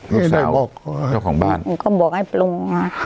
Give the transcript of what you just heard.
บ้านของบ้านก็บอกให้ปลวง